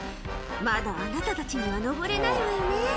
「まだあなたたちには登れないわよね」